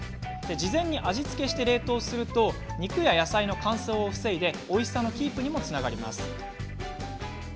事前に味付けして冷凍すると肉や野菜の乾燥を防ぎおいしさのキープにもつながります。